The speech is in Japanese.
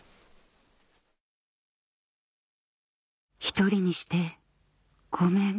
「１人にしてごめん」